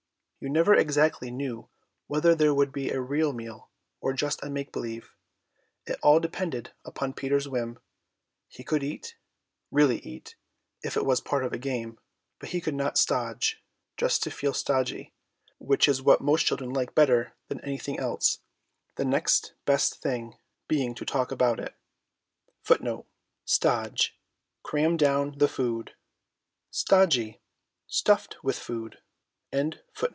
You never exactly knew whether there would be a real meal or just a make believe, it all depended upon Peter's whim: he could eat, really eat, if it was part of a game, but he could not stodge just to feel stodgy, which is what most children like better than anything else; the next best thing being to talk about it.